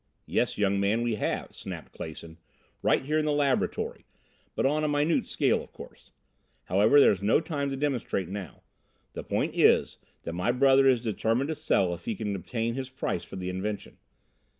"Yes, young man, we have," snapped Clason. "Right here in the laboratory but on a minute scale, of course. However, there's no time to demonstrate now. The point is that my brother is determined to sell if he can obtain his price for the invention.